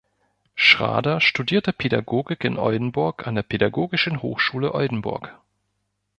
Schrader studierte Pädagogik in Oldenburg an der Pädagogischen Hochschule Oldenburg.